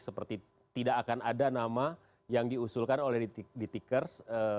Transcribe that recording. seperti tidak akan ada nama yang diusulkan oleh ditikers